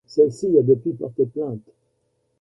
Celle-ci a depuis porté plainte.